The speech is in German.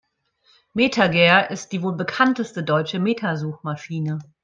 MetaGer ist die wohl bekannteste deutsche Meta-Suchmaschine.